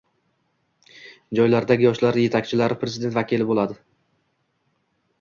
Joylardagi yoshlar yetakchilari Prezident vakili bo‘lading